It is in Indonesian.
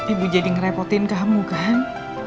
ibu jadi ngerepotin kamu kan